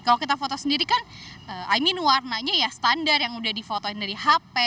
kalau kita foto sendiri kan warna nya standar yang sudah di fotoin dari hp